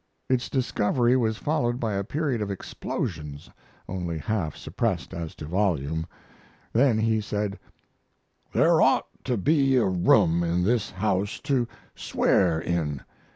Its discovery was followed by a period of explosions, only half suppressed as to volume. Then he said: "There ought to be a room in this house to swear in.